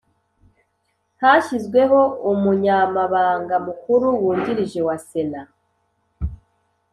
Hashyizweho Umunyamabanga Mukuru Wungirije wa Sena